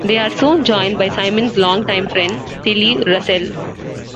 They are soon joined by Simon's long time friend, Tillie Russell.